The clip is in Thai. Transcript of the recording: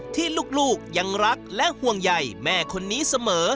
ที่ลูกยังรักและห่วงใยแม่คนนี้เสมอ